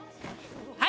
はい！